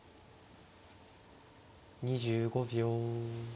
２５秒。